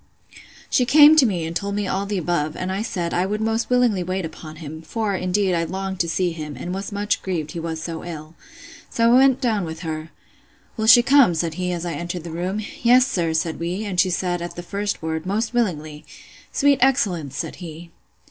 She came to me, and told me all the above; and I said, I would most willingly wait upon him; for, indeed, I longed to see him, and was much grieved he was so ill.—So I went down with her. Will she come? said he, as I entered the room. Yes, sir, said we; and she said, at the first word, Most willingly.—Sweet excellence! said he.